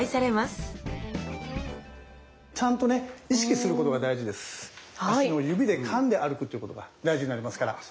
足の指でかんで歩くということが大事になりますから続けて下さい。